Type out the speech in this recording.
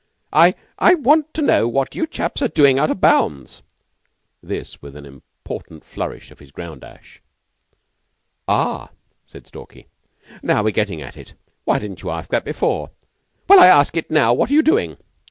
"I I want to know what you chaps are doing out of bounds?" This with an important flourish of his ground ash. "Ah," said Stalky. "Now we're gettin' at it. Why didn't you ask that before?" "Well, I ask it now. What are you doing?"